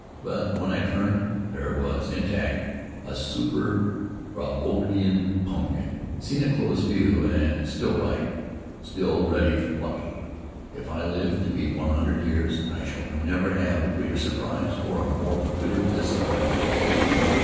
But when I turned, there it was, intact, a super Brobdingnagian pumpkin, seen at close view, and still ripe, still ready for plucking. If I live to one hundred years, I shall never have a greater surprise or a more bitter disappointment.